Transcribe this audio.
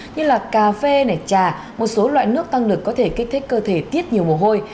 như là cà phê này trà một số loại nước tăng lực có thể kích thích cơ thể tiết nhiều mồ hôi